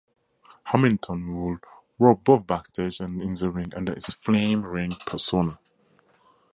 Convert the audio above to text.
Hamilton would work both backstage and in the ring under his "Flame" ring persona.